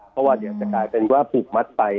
เพราะว่าเดี๋ยวจะกลายเป็นว่าผูกมัดไป